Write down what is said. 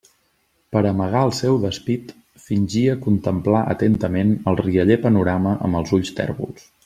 Per a amagar el seu despit, fingia contemplar atentament el rialler panorama amb els ulls tèrbols.